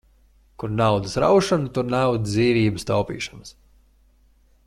Kur naudas raušana, tur nav dzīvības taupīšanas.